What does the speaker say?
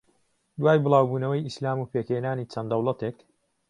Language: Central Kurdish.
دوای بڵاوبونەوەی ئیسلام و پێکھێنانی چەند دەوڵەتێک